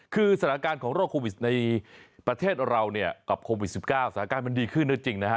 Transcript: คือสถานการณ์ของโรคโควิดในประเทศเราเนี่ยกับโควิด๑๙สถานการณ์มันดีขึ้นด้วยจริงนะฮะ